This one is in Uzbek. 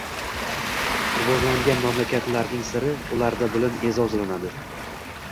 Rivojlangan mamlakatlarning siri – ularda bilim eʼzozlanadi.